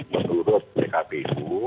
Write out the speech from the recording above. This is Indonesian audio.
menurut pkb itu